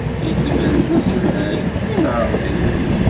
Yettban-d d asedhay. I neɛreḍ-it?